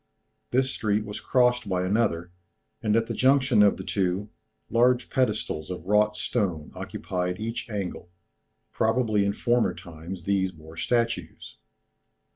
This street was crossed by another, and at the junction of the two, large pedestals of wrought stone occupied each angle, probably in former times these bore statues.